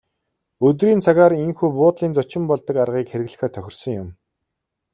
Өдрийн цагаар ийнхүү буудлын зочин болдог аргыг хэрэглэхээр тохирсон юм.